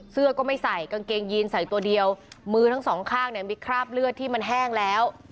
เสื้อก็ไม่ใส่กางเกงยีนใส่ตัวเดียวมือทั้งสองข้างเนี่ยมีคราบเลือดที่มันแห้งแล้ว